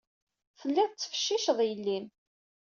Telliḍ tettfecciceḍ yelli-m.